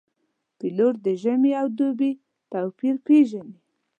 پیلوټ د ژمي او دوبي توپیر پېژني.